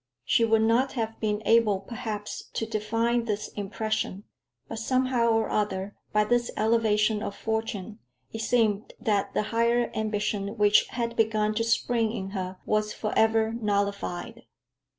She would not have been able perhaps to define this impression; but somehow or other by this elevation of fortune it seemed that the higher ambition which had begun to spring in her was forever nullified.